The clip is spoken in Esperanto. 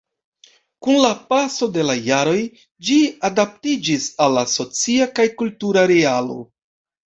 Kun la paso de la jaroj ĝi adaptiĝis al la socia kaj kultura realo.